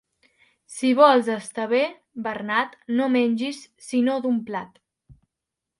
Si vols estar bé, Bernat, no mengis sinó d'un plat.